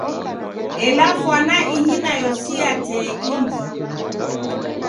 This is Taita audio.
Ela fwana ihi nayo si ya tee ingi.